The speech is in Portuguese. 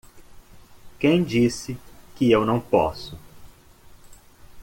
Quem disse que eu não posso?